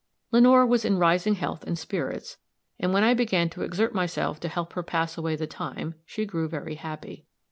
Lenore was in rising health and spirits, and when I began to exert myself to help her pass away the time, she grew very happy.